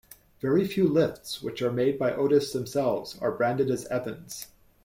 Very few lifts which are made by Otis themselves are branded as Evans.